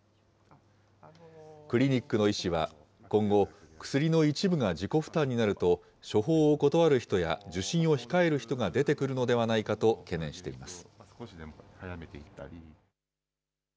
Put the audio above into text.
クリニックの医師は、今後、薬の一部が自己負担になると、処方を断る人や受診を控える人が出てくるのではないかと懸念しています。